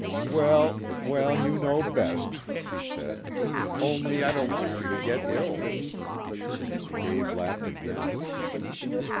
"Well, well, you know best," she said, "only I don't want you to get ill." Dave laughed again.